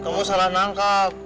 kamu salah nangkap